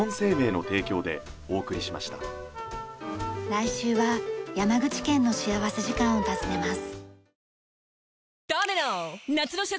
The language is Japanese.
来週は山口県の幸福時間を訪ねます。